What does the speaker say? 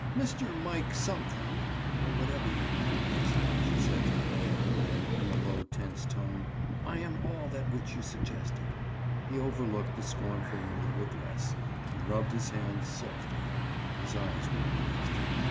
"Mr. Mike Something, or whatever your name is," she said to the monocle man in a low tense tone, "I am all that which you suggested." He overlooked the scornful mode of address. He rubbed his hands softly; his eyes were pleased.